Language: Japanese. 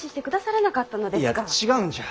いや違うんじゃ。